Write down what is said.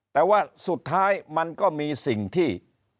แต่ว่าสุดท้ายมันก็มีสิ่งที่